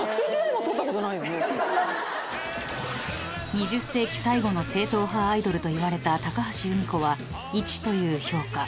［２０世紀最後の正統派アイドルといわれた高橋由美子は１という評価］